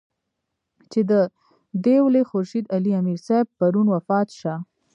چې د دېولۍ خورشېد علي امير صېب پرون وفات شۀ